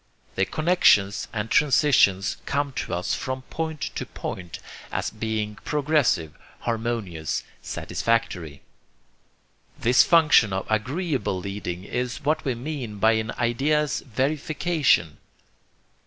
The connexions and transitions come to us from point to point as being progressive, harmonious, satisfactory. This function of agreeable leading is what we mean by an idea's verification.